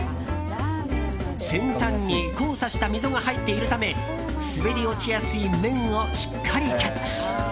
先端に交差した溝が入っているため滑り落ちやすい麺をしっかりキャッチ。